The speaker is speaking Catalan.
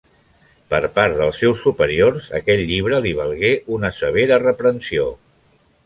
Per part dels seus superiors aquell llibre li valgué una severa reprensió.